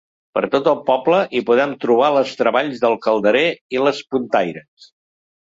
Per tot el poble hi podem trobar les treballs dels calderer i els puntaires.